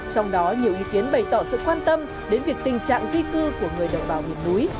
trong đó nhiều ý kiến bày tỏ sự quan tâm đến việc tình trạng di cư của người đồng bào miền núi